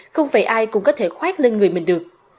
không phải ai cũng có thể khoát lên người mình được